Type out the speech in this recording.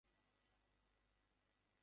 শশী একটা ওষুধ তৈরি করিয়া তাকে দেয়।